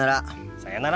さよなら。